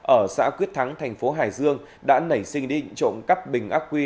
ở xã quyết thắng thành phố hải dương đã nảy sinh đi trộm cắp bình ác quy